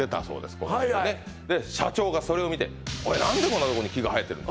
ここにねはいはい社長がそれを見て「何でこんなとこに木が生えてるんだ」